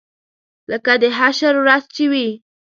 لکه د حشر ورځ چې وي.